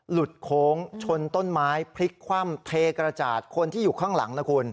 โค้งชนต้นไม้พลิกคว่ำเทกระจาดคนที่อยู่ข้างหลังนะคุณ